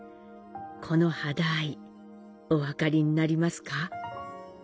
この肌合い、お分かりになりますか。